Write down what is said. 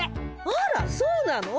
あらそうなの？